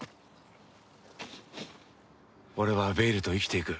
俺はベイルと生きていく。